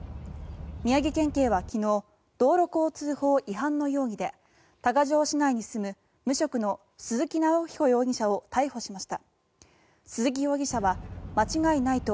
宮城県警は昨日、道路交通法違反の容疑で多賀城市内に住む無職の鈴木尚彦容疑者を逮捕しました。